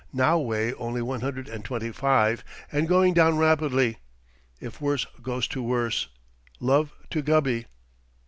Now weigh only one hundred and twenty five and going down rapidly. If worse goes to worst, love to Gubby.